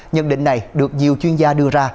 nhân định này được nhiều chuyên gia đưa ra